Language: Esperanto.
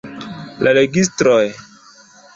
La registroj!